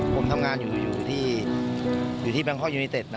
ผมทำงานอยู่ที่แบงคอกยูนิเต็ด